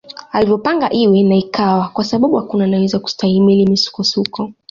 Alivyopanga iwe na ikawa kwasababu hakuna anayeweza kustahimili misukosuko